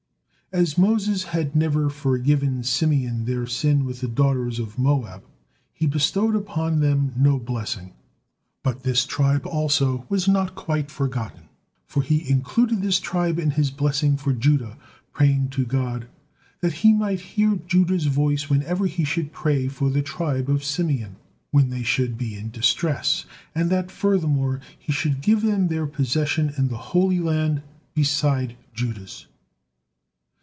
As Moses had never forgiven Simeon their sin with the daughters of Moab, he bestowed upon them no blessing, but this tribe also was not quite forgotten, for he included this tribe in his blessing for Judah, praying to God, that He might hear Judah's voice whenever he should pray for the tribe of Simeon when they should be in distress, and that furthermore He should give them their possession in the Holy Land beside Judah's.